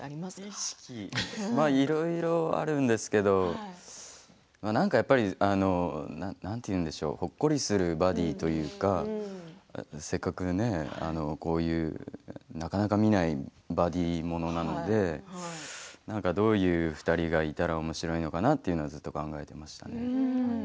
意識まあ、いろいろあるんですけどなんか、やっぱりなんていうんでしょうほっこりするバディーというかせっかくね、こういうなかなか見ないバディーものなのでどういう２人がいたらおもしろいのかなっていうのはずっと考えてましたね。